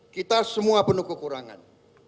kita semua penuh kekurangan